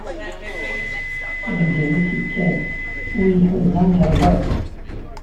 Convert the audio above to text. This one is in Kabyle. Azger-is ikkat, wi iḥuza iṛẓa-t.